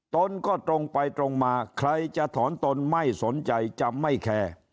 ตนก็ตรงไปตรงมาใครจะถอนตนไม่สนใจจะไม่แคร์